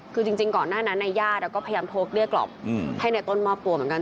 คือจริงก่อนหน้านั้นในญาติก็พยายามโทรเกลี้ยกล่อมให้ในต้นมอบตัวเหมือนกัน